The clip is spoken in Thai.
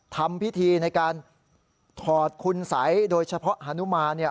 ทำพิธีในการถอดคุณสัยโดยเฉพาะฮานุมานเนี่ย